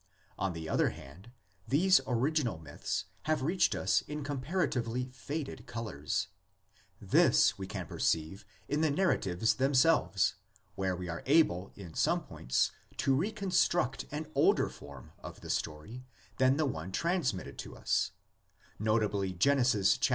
On the other hand, these original myths have reached us in com paratively faded colors. This we can perceive in the narratives themselves, where we are able in VARIETIES OF THE LEGENDS 15 some points to reconstruct an older form of the story than the one transmitted to us: notably Genesis vi.